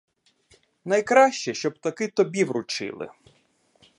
Найкраще, щоб таки тобі вручили.